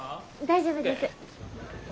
大丈夫です。